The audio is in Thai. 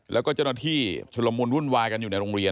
แล้วก็เจ้าหน้าที่ชุดละมุนวุ่นวายกันอยู่ในโรงเรียน